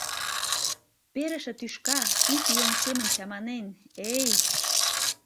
Перыше тӱшка, ик еҥ семын чаманен, э-эй!